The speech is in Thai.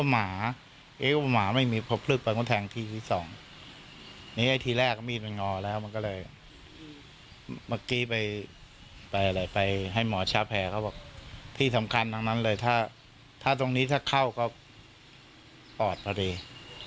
มักนี้ให้หมอชาแผ่ที่สำคัญทั้งนั้นถ้าเข้าก็ออกพอเดียว